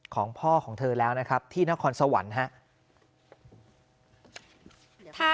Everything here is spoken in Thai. ของพ่อของเธอแล้วนะครับที่นครสวรรค์ครับ